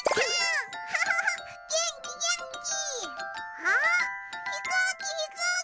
あっひこうきひこうき！